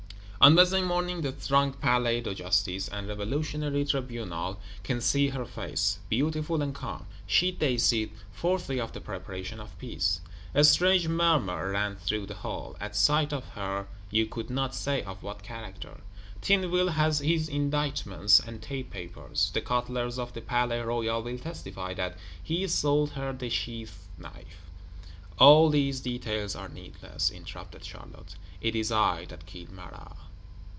On Wednesday morning the thronged Palais de Justice and Revolutionary Tribunal can see her face; beautiful and calm: she dates it "fourth day of the Preparation of Peace." A strange murmur ran through the Hall, at sight of her; you could not say of what character. Tinville has his indictments and tape papers: the cutler of the Palais Royal will testify that he sold her the sheath knife; "All these details are needless," interrupted Charlotte; "it is I that killed Marat."